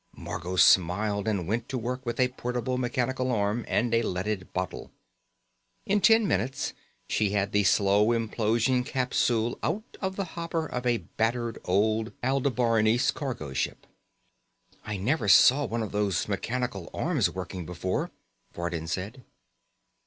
Margot smiled and went to work with a portable mechanical arm and a leaded bottle. In ten minutes, she had the slow implosion capsule out of the hopper of a battered old Aldebaranese cargo ship. "I never saw one of those mechanical arms working before," Vardin said.